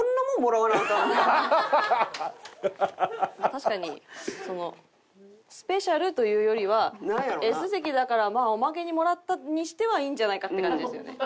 確かにそのスペシャルというよりはＳ席だからおまけにもらったにしてはいいんじゃないかって感じですよね。